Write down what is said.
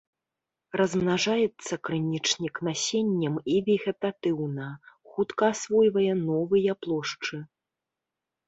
Размнажаецца крынічнік насеннем і вегетатыўна, хутка асвойвае новыя плошчы.